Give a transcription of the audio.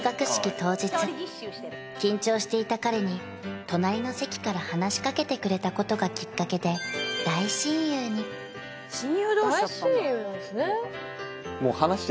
当日緊張していた彼に隣の席から話しかけてくれたことがきっかけで大親友にしかし高校を卒業と同時に